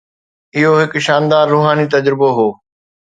اهو هڪ شاندار روحاني تجربو هو